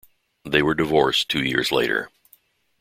They were divorced two years later.